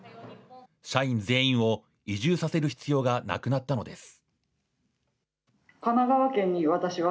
社員全員を移住させる必要がなくなったのです。